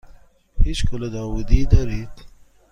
هیچ گل داوودی دارید؟